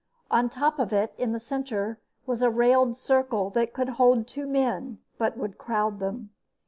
On top of it, in the center, was a railed circle that would hold two men, but would crowd them.